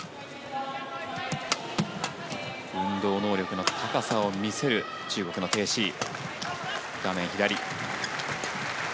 運動能力の高さを見せる中国のテイ・シイ。